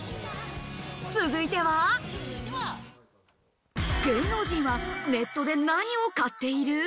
続いて芸能人はネットで何を買っている？